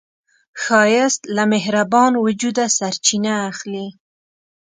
ښایست له مهربان وجوده سرچینه اخلي